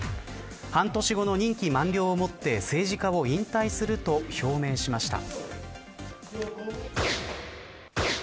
半年後の任期満了をもって政治家を引退すると表明しました。